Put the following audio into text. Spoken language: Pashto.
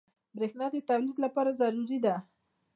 بریښنا د تولید لپاره ضروري ده.